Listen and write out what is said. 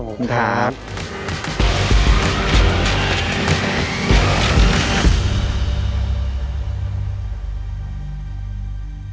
ขอบคุณครับ